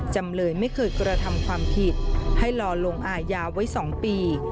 จำเลยไม่เคยกระทำความผิดให้รอลงอายาไว้๒ปี